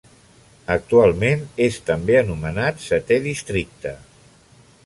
Actualment és també anomenat setè districte.